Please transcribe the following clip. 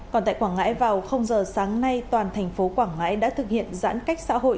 còn tại quảng ngãi vào giờ sáng nay toàn thành phố quảng ngãi đã thực hiện giãn cách xã hội